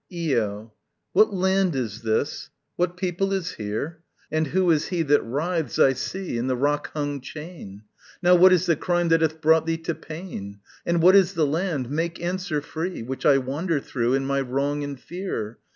Io. What land is this? what people is here? And who is he that writhes, I see, In the rock hung chain? Now what is the crime that hath brought thee to pain? Now what is the land make answer free Which I wander through, in my wrong and fear?